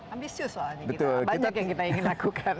amisius soalnya kita banyak yang kita ingin lakukan